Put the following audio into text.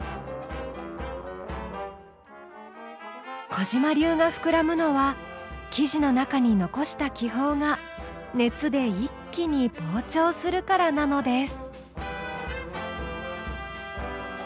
小嶋流が膨らむのは生地の中に残した気泡が熱で一気に膨張するからなのです。